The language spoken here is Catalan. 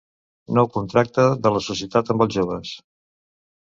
Nou contracte de la societat amb els joves.